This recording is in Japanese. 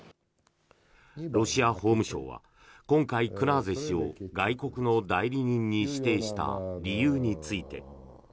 ロシア法務省は今回、クナーゼ氏を外国の代理人に指定した理由について。